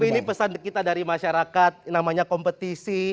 tapi ini pesan kita dari masyarakat namanya kompetisi itu biasa bang